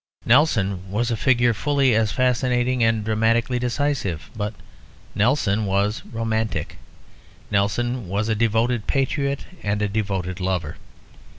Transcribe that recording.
Nelson was a figure fully as fascinating and dramatically decisive; but Nelson was "romantic"; Nelson was a devoted patriot and a devoted lover.